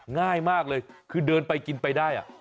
ง่ายมากเลยคือเดินไปกินไปได้